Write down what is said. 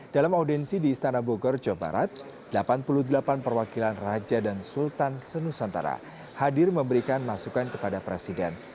dalam audiensi di istana bogor jawa barat delapan puluh delapan perwakilan raja dan sultan senusantara hadir memberikan masukan kepada presiden